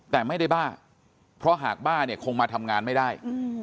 แต่ไม่ได้บ้าเพราะหากบ้าเนี่ยคงมาทำงานไม่ได้